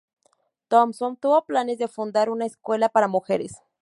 Thompson tuvo planes de fundar una escuela para mujeres.